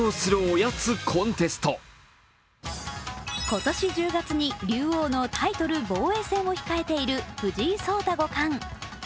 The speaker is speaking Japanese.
今年１０月に竜王のタイトル防衛戦を控えている藤井五冠。